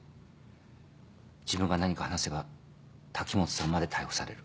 自分が何か話せば滝本さんまで逮捕される。